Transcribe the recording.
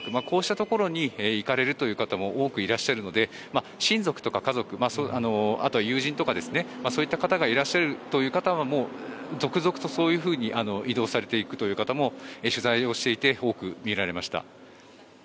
こうしたところに行かれるという方も多くいらっしゃるので親族とか家族、あと友人とかそういった方がいらっしゃるという方はもう続々と、そういうふうに移動されていくという方も取材をしていて多く見られました。